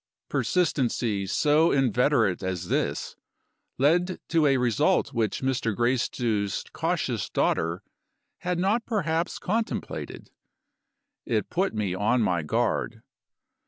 Persistency so inveterate as this led to a result which Mr. Gracedieu's cautious daughter had not perhaps contemplated: it put me on my guard.